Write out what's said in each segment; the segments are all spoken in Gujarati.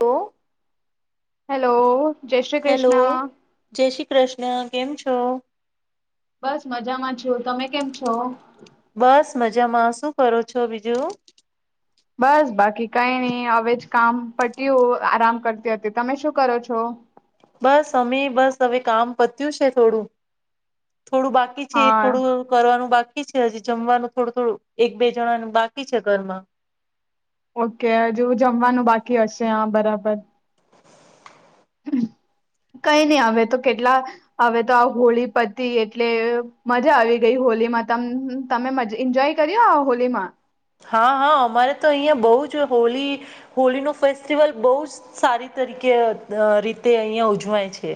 તો. હેલો. ! જય શ્રી કૃષ્ણ. ક્રિષ્ના કેમ છો? બસ મજામાં છું, તમે કેમ છો? બસ મજામાં. શું કરો છો બીજું? બસ બાકી કઈ નહી, હવે જ કામ પટ્યું આરામ કરતી હતી. તમે શું કરો છો? બસ અમે બસ હવે કામ પત્યું છે. થોડું. થોડું બાકી છે એ હા થોડું કરવાનું બાકી બાકી છે હજી, જમવાનું થોડું થોડું એક બે જણાનું બાકી છે, ઘરમાં. ઓકે હજુ જમવાનું બાકી હશે! આ બરાબર. [inaudible] કઈ નઈ હવે તો કેટલા હવે તો આ હોળી પતી એટલે મજા આવી ગઈ હોળીમાં ત તમે મજ હએન્જોય કર્યો આ હોલીમાં? હા હા! અમારે તો અહીં બહુ જ હોલી હોલીનો ફેસ્ટિવલ બહુ જ સારી તરીકે રીતે અહિયાં ઉજવાય છે.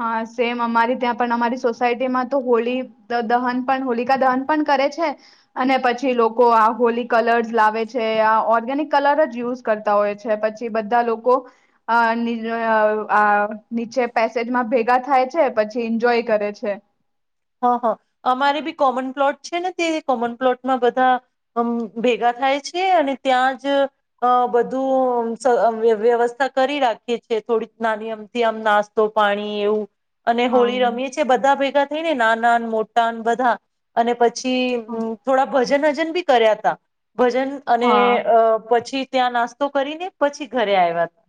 હા સેમ અમારી ત્યાં પણ, અમારી સોસાયટીમાં તો હોળી દહન પણ હોલિકા દહન પણ કરે છે, અને પછી લોકો આ હોલી કલર્સ લાવે છે, આ ઓર્ગેનિક કલર જ યુઝ કરતા હોય છે પછી બધા લોકો અઅઅ નીચે સેજમાં ભેગા થાય છે. પછી ઈન્જોય કરે છે. હા હા અમારે બી કોમન પ્લોટ છે ને, તે કોમન પ્લોટમાં બધા અમ ભેગા થાય છે. અને ત્યાં જ બધું સર વ્યવસ્થા કરી રાખીએ છીએ થોડીક નાની અમથી આમ નાસ્તો, પાણી એવું અને હા હોળી રમીએ છીએ બધા ભેગા થઈ ને નાના મોટા બધા અને પછી થોડા ભજન બી કર્યા હતા. ભજન અને હા અ પ ત્યાં નાસ્તો કરીને પછી ઘરે આવ્યા હતા.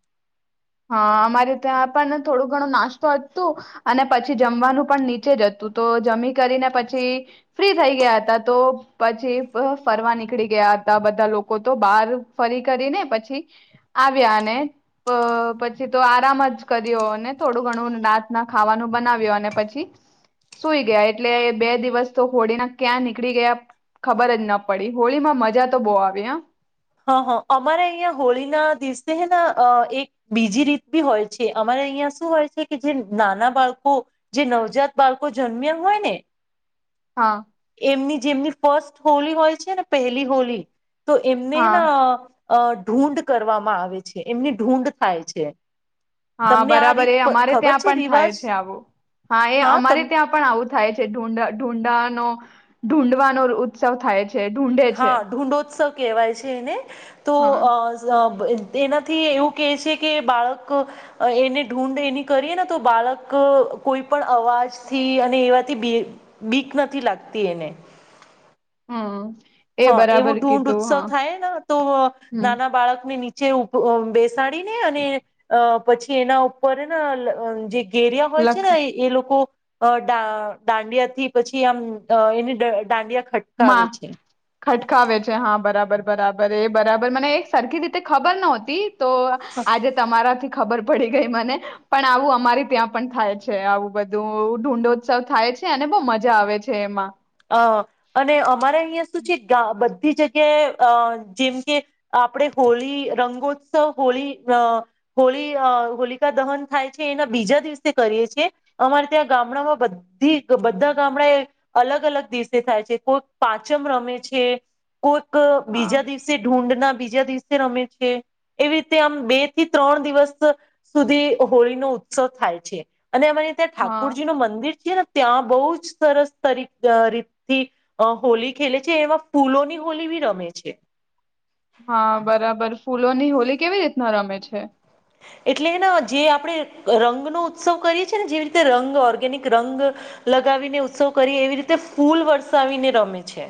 હા અમારે ત્યાં પણ થોડું ઘણું નાસ્તો હત હતું અને પછી જમવાનું પણ નીચે જ હતું તો જમી કરીને પછી ફ્રી થઈ ગયા હતા તો પછી ફરવા નીકળી ગયા હતા બધા લોકો તો બહાર ફરી કરીને પછી આવ્યા અને અ પછી તો આરામ જ કર્યો અને થોડું ઘણું રાતના ખાવાનું બનાવ્યો અને પછી સુઈ ગયા એટલે બે દિવસ તો હોળીના ક્યાં નીકળી ગયા ખબર જ ન પડી હોળીમાં મજા તો બહુ આવી હ હા હા અમારે અહિયાં હોળી ના દિવસે હ એક બીજી રીત બી હોય છે અમારે અહિયાં શું હોય છે કે જે નાના બાળકો જે નવજાત બાળકો જન્મ્યા હોય ને હા એમની જેમની ફસ્ટ હોળ હોય છે ને પહેલી હોલી તો એમનું હા ના અ ઢૂઢ કરવામાં આવે છે એમની ઢૂઢ થાય છે. હા તમને આ બરાબર રીત એ પ- અમારે ખબર ત્યાં છે પણ થાય રિવાજ છે આવું હા એ અમારે ત્યાં પણ આવું થાય છે ઢું ઢુંડાનો ઢૂઢવાનો ઉત્સવ થાય છે. ઢૂંઢે છે હા ઢુંંડોત્સવ કહેવાય છે એને તો હા અ એના થી એવું કે છે કે બાળક એને ઢૂઢ એની કરીએ ને તો બાળક કોઈ પણ અવાજથી અને એવાથી બીક નથી લાગતી એને હા. એ હા બરાબર એવું ઢૂંઢ કીધું ઉત્સવ થાય ને તો હમ નાના બાળક ને નીચ છે. સાડીને અને અ પછી એના ઉપર ને જે ગેરિયા હોય છે લખ ને એ લોકો અ દાંડિયાથી પછી આમ એની દાંડિયા ખટકાવે માં છે. ખટકાવે છે હા બરાબર બરાબર. બરાબર હા મને એક સરારખી રી તે ખબર નહતી તો આજે તમારાથી ખબર પડી ગઈ મને પણ આવું અમારી ત્યાં પણ થાય છે આવું બધું ઢુંંડોત્સવ થાય છે અને બહુ મજા આવે છે એમાં હ અને અમારે વસ્તુ છે. બધી જગ્યાએ અ જેમ કે આપણેે હોળી રંગોત્સવ હોળી અ હોળી હોલિકા દહન થાય છે એના બીજા દિવસે કરીએ છીએ અમારે ત્યાં ગામડામાં બધી બધા ગામડાએ અલગ અલગ અલગ દિવસે થાય છે કોઈ પાંચમ રમે છે. કો એક હા બીજા દિવસે ઢુંંડ ના બીજા દિવસે રમે છે એવી રીતે આમ બે થી ત્રણ દિવસ સુધી હોળી નો ઉત્સવ થાય છે. અને અમારે ત્યાં હા ઠાકુરજી નું મંદિર ને ત્યાં બહુ જ સરસ તરીકે રીતથી હોલી ખેલે છે એમાં ફૂલોની હોલી બી રમે છે. હા બરાબર ફૂલોની હોલી કેવી રીતના રમે છે. એટલેને જે આપણે રંગનોો ઉત્સવ કરીએ છ છે ને જેવી રીતે રંગ ઓર્ગેનિક રંગ લગાવીને ઉત્સવ કરીએ એવી રીતે ફૂલ વરસાવીને રમે છે.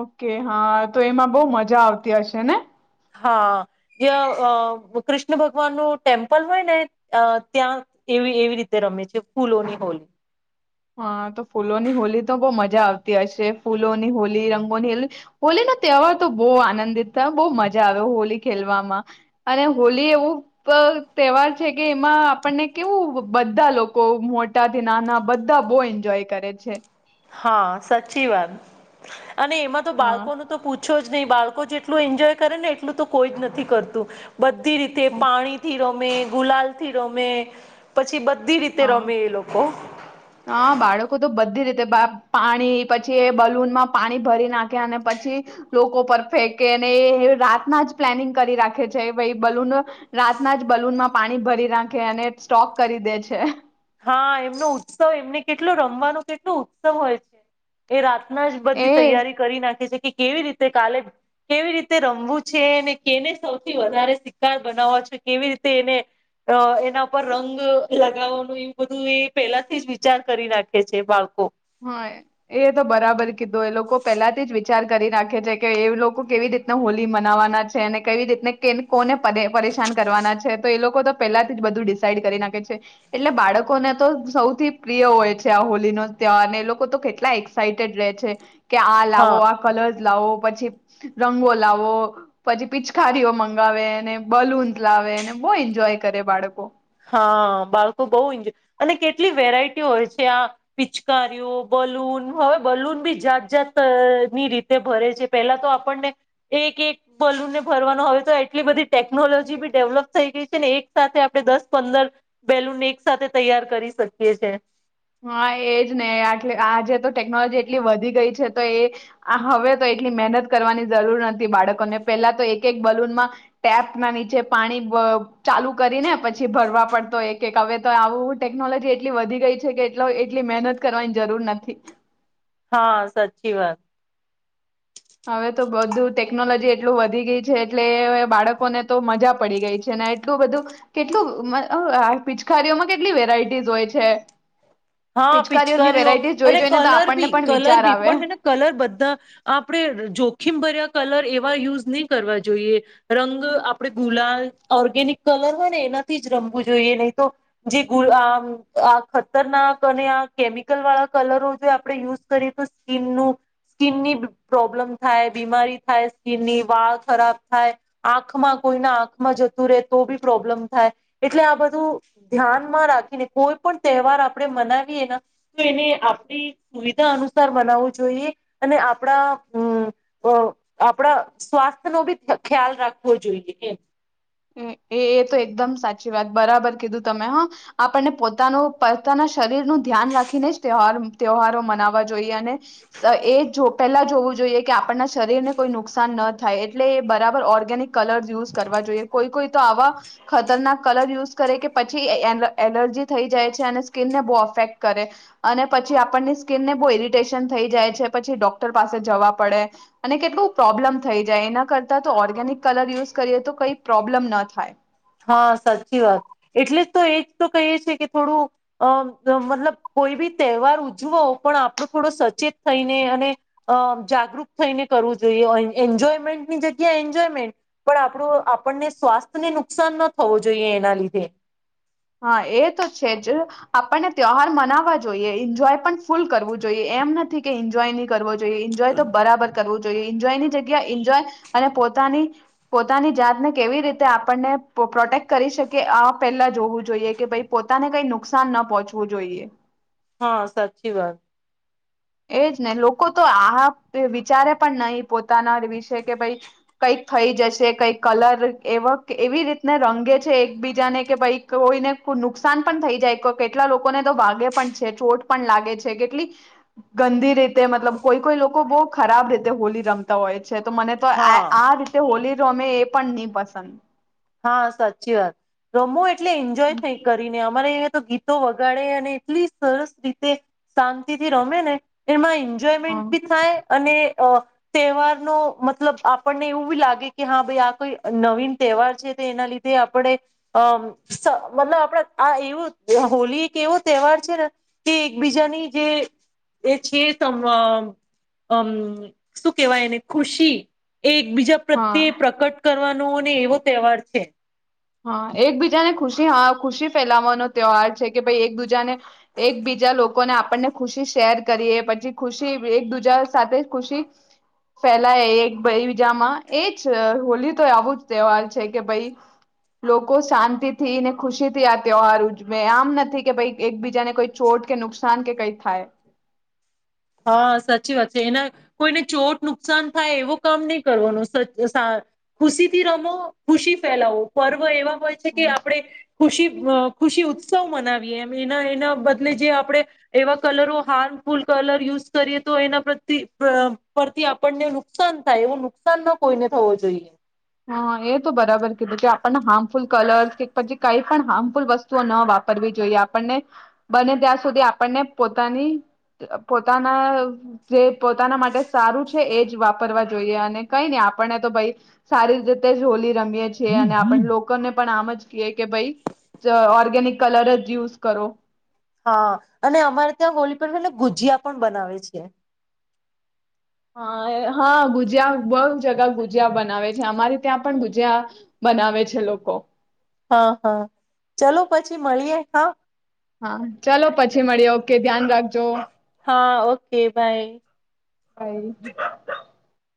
ઓકે હા તો એમાં બહુ મજા આવતી હશે ને. હા જે કૃષ્ણ ભગવાનનું ટેમ્પલ હોય ને ત્યાં એવી એવી રીતે રમે છે ફૂલોની હોલી હા તો ફૂલોની હોલી તો બહુ મજા આવતી હશે ફૂલોની હોલી રંગોની હો હોલીનોો તહેવાર તો બહુ આનંદિત થ બહુ મજા આવ હોલી ખેલવામાં અને હોલી એવું તહેવાર છે કે એમાં આપણને કેવું બધા લોકો મોટાથી નાના બા બધા બહુ એન્જોય કરે છે. હા સાચી વાત. અને એમાં તો હા બાળકો ન તો પૂછ છો જ નહી બાળકો જેટલું એન્જોય કરે ને એટલું તો કોઈ જ નથી કરતું. બધી રીતે પાણીથી રમે ગુલાલ થી રમે પછી બધ હા હા બાળકો તો બધી રીતે પાણી પછી એ બલૂનમાં પાણી ભરી નાખે અને પછી લોકો પર ફેંકે અને એ રાતના જ પ્લાનિંગ કરી રાખે છે ભાઈ બલૂન રાતના જ બલૂનમાં પાણી ભરી નાખે અને સ્ટોક કરી દે છે. છે [unintelligible] હા એમનો ઉત્સવ એમને કેટલું રમવાનું કેટલું ઉત્સવ હોય છે એ ના જ બધી એ તૈયારી કરી નાખે છે. કે કેવી રીતે કાલે કેવી રીતે રમવું છે અને કેને સૌથી વધારે શાર બનાવવા છો કેવી રીતે એને એના પર રંગ લગાવવાનું એ બધું એ પેલાથી જ વિચાર કરી નાખે છે બાળકો હા એ તો બરાબર કીધું એ લોકો પેલાથી જ વિચાર કરી રાખે છે કે એ લોકો કેવી રીતના હોલી મનાવવાના છે અને કેવી રીતને કે કોને પરેશાન કરવાના છે તો એ લોકો તો પેલાથી જ બધું ડિસઇડ કરી નાખે છે એટલે બાળકોને તો સૌથી પ્રિય હોય છે આ હોલીનોો ત્યાં અને લોકો તો કેટલા એક્સાઈઇટેડ રહે છે. કે આ લાવો હા. આ કલર લાવો પછી રંગો લાવો પછી પિચકારીઓ મંગાવે બલૂન્ લાવે અને બહુ એન્જોય કરે બાળકો હા બાળકો બઉુ ન્જોય અને કેટલી વેરાયટી હોય છે આ પિચકારીઓ બલૂન હવે બલૂન બી જાત જાત ની રીતે ભરે છે પેલા તો આપણને એક એક બલૂનને ભરવાનો હવે તો એટલી બધી ટેકનોલોજી બી ડેવલપ થઈ ગઈ છે ને એક સાથે આપણે દસ પંદર બેલુન એક સાથે તૈયાર કરી શકીએ છે. હા એજ ને આટલે આજે તો ટેકનોલોજી એટલી વધી ગઈ છે તો એ હવે તો એટલી મહેનત કરવાની જરૂર નથી બાળકોને પેલા તો એક એક બલૂનમાં ટેપ ના નીચે પાણી ચાલુ કરીને પછી ભરવા પડતો એક એક હવે તો આવું ટેકનોલોજી એટલી વધી ગઈ છે કે એ એટલી મહેનત કરવાની જરૂર નથી. હા સાચી વાત. હવે તો બધું ટેકનોલોજી એટલું વધી ગઈ છે એટલે બાળકોને તો મજા પડી ગઈ છે ને એટલું બધું કેટલું પિચકારઓમાં કેટલી વેરાયટીસ હોય છે. હા પિચકારીઓની પિચકારઓ વેરાયટીઝ જોઈ અનેટ જોઈને તો કલર આપણને બી પણ કલર વિચાર બી આવે પણ છેને કલર બધા આપણે જોખિમ ભર્યા કલર એવા યુઝ નહી કરવા જોઈએ રંગ આપણે ગુલાલ ઓર્ગેનિક કલર હોય ને એનાથી જ રમવું જોઈએ નહી તો જે આ ખતરના અને આ કેમિકલ વાળા કલરો જો આપણે યુઝ કરીએ તો સ્કીનનું સ્કીનની પ્રોબ્લમ થાય બીમારી થાય સ્કીનની વાળ ખરાબ થાય આંખમાં કોઈના આંખમાં જતું રહે તો બી પ્રોબ્લમ થાય એટલે આ બધું ધ્યાનમાં રાખીને કોઈ પણ તહેવાર આપ આપણે મનાવીએ તો એને આપણી સુવિધા અનુસાર મનાવવું જોઈએ અને આપણામ આપણા સ્વાસ્થ્ય નો બી ખ્યાલ રાખવો જોઈએ. એ એ તો એકદમ સાચી વાત બરાબર કીધું તમે હા આપણને પોતાનું પોતાના શરીર નું ધ્યાન રાખીને જ ત તહેવારો મનાવવા જોએ. જોઈ અને એ જો પહેલાં જોવું જોઈએ કે આપણના શરીરને કોઈ નુકસાન ન થાય એટલે એ બરાબર ઓર્ગેનિક કલર્ યુઝ કરવા જોઈએ. આવા ખતરનાક કલર યુઝ કરે કે પછી એલર્જી થઈ જાય છે, અને સ્કીિન ને બહુ અફેક્ટ કરે અને પછી આપણની સ્કીિન ને બહુ ઇરિટેશન થઈ જાય છે, પછી ડોક્ટર પાસે જવા પડે અને કેટલું પ્રોબ્લેમ થઈ જાય એના કરતા તો ઓર્ગેનિક કલર યુઝ કરીએ તો કઈ પ્રોબ્લેમ ન થાય. હા, સાચી વાત એટલે જ તો એક તો કહીએ છીએ કે થોડું અ મતલબ કોઈ બી તહેવાર ઉજવો પણ આપણું થોડો સચેત થઈને અને અ જાગૃત થઈને કરવું જોઈએ એન્જોયમેન્ટની જગ્યા એન્જોયમેન્ટ પણ આપણું આપણને સ્વાસ્થ્યને નુકસાન નુકસાન ન થવું જોઈએ એના લીધે. હા એ તો છે જ, આપણને ત્યહાર મનાવવા જોઈએ એન્જોય પણ ફૂલ કરવું જોઈએ એમ નથી કે એન્જોય નહી કરવો જોઈએ. જોઈએ એન્જોય બરાબર કરવું જોઈએ. એન્જયની જગ્યા એન્જોય, અને પોતાની પોતાની જાતને કેવી રીતે આપણને પ્રોટેક્ટ કરી શકીએ આ પહેલા જોવું જોઈએ. જોઈએ કે ભાઈ પોતાને કઈ નુકસાન ન પહોંચવું જોઈએ. હા સાચી વાત. એજ ને લોકો તો આ વિચારે પણ નહી પોતાના વિશે કે ભાઈ, કઈક થઈ જશે કઈક કલર એવા એવી રીતને રંગે છે એકબીજાને કે ભાઈ કોઈને નુકસાન પણ થઈ જાય કેટલા લોકોને તો વાગે પણ છે ચોટ પણ લાગે છે કેટલી. ગંદી રીતે મતલબ કોઈ કોઈ લોકો બહુ ખરાબ રીતે હોલી રમતા હોય. છે તો મને તો આ હા આ રીતે હોલી રમે એ પણ નહી પસંદ. હા સાચી વાત રમો એ એટલે એન્જોય થઈ કરીને અમારે ગીતો વગાડે અને એટલી સરસ રીતે શાંતિથી, રમે ને, એમાં એન્જોયમેન્ટ હા બી થાય. અને તહેવાર નો મતલબ આપણને એવું બી લાગે કે હા ભાઈ આ કોઈ નવીન તહેવાર એના લીધે આપણે, અમ મતલબ આપણા આ એવો હોલી એક એવો તહેવાર છે ને, કે એકબીજાની જે એ છેમ શું કેહેવાયને ખુશી. એ એક બીજા હા પ્રત્યે પ્રકટ કરવાનું. ને એવો તહેવાર છે. હા એકબીજાને ખુશી ખુશી ફેલાવાનો તહેવાર છે કે ભાઈ એક દૂજાને, એકબીજા લોકોને આપણને ખુશી શેર કરીએ પછી ખુશી એક દુજા સાથે ખુશી, ફેલાય એકબીજામાં એજ હોલી તો આવું જ તહેવાર છે કે ભાઈ લોકો શાંતિ થી ને ખુશીથી આ તહેવાર ઉજવે આમ નથી કે ભાઈ એકબીજાને કોઈ ચોટ કે નુકસાન કે કઈ થાય. હા સાચી વાત છે એના, કોઈને ચોટ નુકસાન થાય એવો કામ નહી કરવાનું ખુશી થી રમો ખુશી ફેલાવો પર્વ એવા હોય છે કે આપણે. ખુશી ખુશી ઉત્સવ મનાવીએ એમ એના એના બદલે જે આપણે, એવા કલરો હાર્મફુલ કલર યુઝ કરીએ તો એના પરથી આપણને નુકસાન થાય એવું નુકસાન ના કોઈને થવો જોઈએ. હા એ તો બરાબર કીધું કે આપણને હાર્મફુલ કલર્સ કે પછી કંઈ પણ હાર્મફુલ વસ્તુઓ ન વાપરવી જોઈએ આપણને, બને ત્યાં સુધી આપણને પોતાની પોતાના જે પોતાના માટે સારું છે એ જ વાપરવા જોઈએ અને કઈ નને આપણને તો ભાઈ. સારી રીતે હોલી રમીએ છ છેએ અને આપડ લોકોને પણ આમ જ કએ કે ભાઈ, ઓર્ગેનિક કલર જ યુઝ કરો. હા, અને અમારે ત્યાં હોળ પર એટલે ગુજીયા પણ બનાવે છે. હા હા ભુજિયા બહ જગા ભુજિયા બનાવે છે અમારી ત્યાં પણ ભુજિયા, બનાવે છે લોકો. હા હા ચલો પછી મળીયે હા. હા ચાલો પછી મળી ઓકે ધ્યાન રાખજો. હા ઓકે બાય. બાય